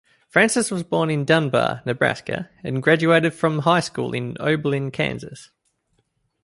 Francis was born in Dunbar, Nebraska, and graduated from high school in Oberlin, Kansas.